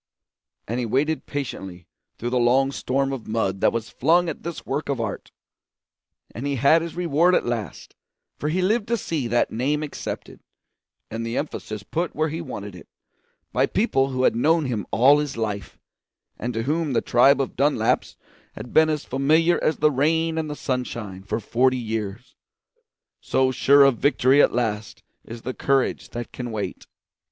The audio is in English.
And he waited patiently through the long storm of mud that was flung at this work of art, and he had his reward at last; for he lived to see that name accepted, and the emphasis put where he wanted it, by people who had known him all his life, and to whom the tribe of Dunlaps had been as familiar as the rain and the sunshine for forty years. So sure of victory at last is the courage that can wait.